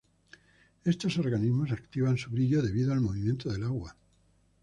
Estos organismos activan su brillo debido al movimiento del agua.